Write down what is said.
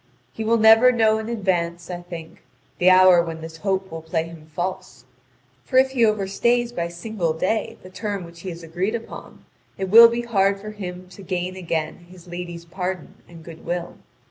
He will never know in advance, I think, the hour when this hope will play him false, for if he overstays by single day the term which he has agreed upon, it will be hard for him to gain again his lady's pardon and goodwill.